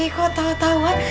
deku tau tau kan